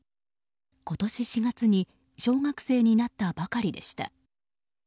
今年４月に小学生になったばかりでした。